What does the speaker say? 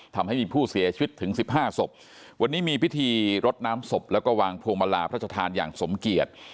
ทำให้มีผู้เสียชีวิตถึงสิบห้าศพวันนี้มีพิธีรดน้ำศพแล้วก็วางพวงมาลาพระชธานอย่างสมเกียจ